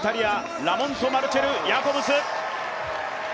ラモントマルチェル・ヤコブス。